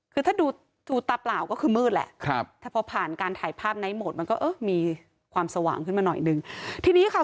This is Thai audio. คือถ้าดูตาเปล่าก็คือมืดแหละครับถ้าพอผ่านการถ่ายภาพในโหมดมันก็เออมีความสว่างขึ้นมาหน่อยนึงทีนี้ค่ะ